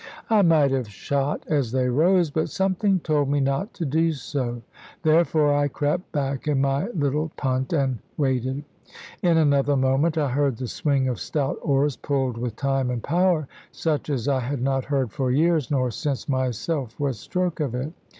I might have shot as they rose, but something told me not to do so. Therefore I crept back in my little punt, and waited. In another moment I heard the swing of stout oars pulled with time and power, such as I had not heard for years, nor since myself was stroke of it.